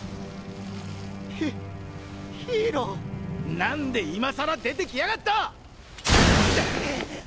ヒヒーロー⁉なんで今更出てきやがった！